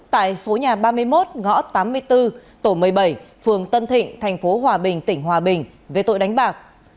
tại số nhà ba mươi một ngõ tám mươi bốn tổ một mươi bảy phường tân thịnh thành phố hòa bình tỉnh hòa bình về tội đánh bạc